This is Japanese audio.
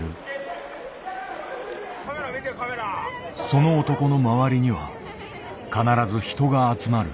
その男の周りには必ず人が集まる。